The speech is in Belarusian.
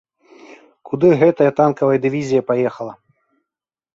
Куды гэтая танкавая дывізія паехала?